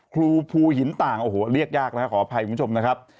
ครูภูหินต่างโอ้โหเรียกยากนะครับขออภัยคุณผู้ชมนะครับ